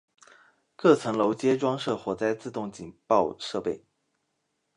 各层楼皆装设火灾自动警报设备。